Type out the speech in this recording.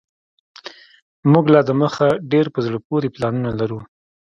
موږ لا دمخه ډیر په زړه پوري پلانونه لرو